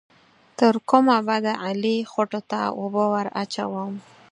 تر کومه به د علي خوټو ته اوبه ور اچوم؟